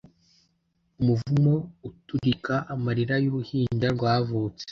Umuvumo uturika amarira y'uruhinja rwavutse